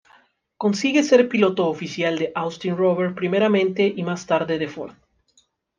Consigue ser piloto oficial de Austin Rover primeramente y más tarde de Ford.